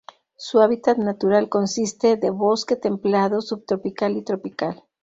Su hábitat natural consiste de bosque templado, subtropical y tropical.